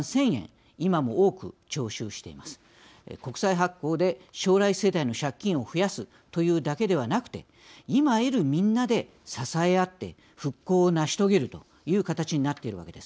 国債発行で将来世代の借金を増やすというだけではなく今いるみんなで支え合って復興を成し遂げるという形になっているわけです。